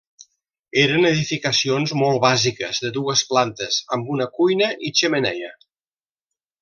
Eren edificacions molt bàsiques de dues plantes, amb una cuina i xemeneia.